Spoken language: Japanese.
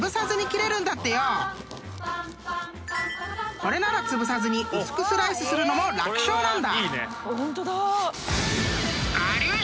［これならつぶさずに薄くスライスするのも楽勝なんだ］